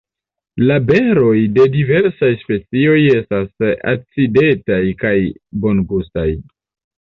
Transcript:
La beroj de diversaj specioj estas acidetaj kaj bongustaj.